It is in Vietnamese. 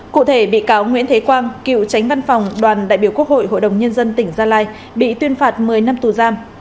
cụ thể bị cáo nguyễn thế quang cựu tránh văn phòng đoàn đại biểu quốc hội hội đồng nhân dân tỉnh gia lai bị tuyên phạt một mươi năm tù giam